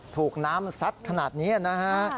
ถูกน้ำซัดขนาดนี้นะฮะ